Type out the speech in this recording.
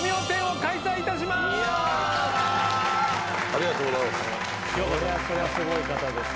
ありがとうございます。